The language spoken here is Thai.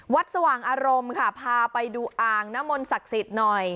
สว่างอารมณ์ค่ะพาไปดูอ่างน้ำมนต์ศักดิ์สิทธิ์หน่อย